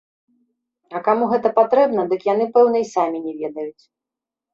А каму гэта патрэбна, дык яны пэўна й самі не ведаюць.